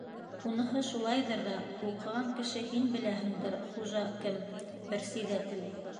Уныһы шулайҙыр ҙа, уҡыған кеше һин беләһендер, хужа кем, персиҙәтел.